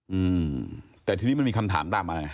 อืมแต่ทีนี้มันมีคำถามตามมาไง